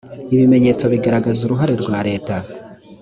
ibimenyetso bigaragaza uruhare rwa leta